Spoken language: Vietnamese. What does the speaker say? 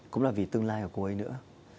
cũng là vì tương lai của cô ấy nữa